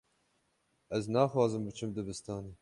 Ez naxwazim biçim dibistanê.